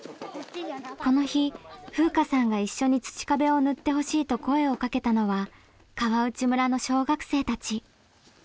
この日風夏さんが一緒に土壁を塗ってほしいと声を掛けたのは川内村の小学生たち。